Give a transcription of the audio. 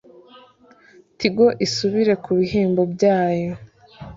tigo isubire ku bihembo byayo